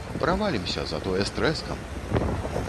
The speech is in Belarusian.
Правалімся, затое з трэскам!